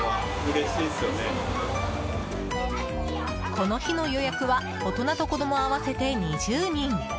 この日の予約は大人と子供、合わせて２０人。